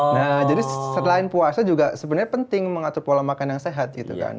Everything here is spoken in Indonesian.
nah jadi selain puasa juga sebenarnya penting mengatur pola makan yang sehat gitu kan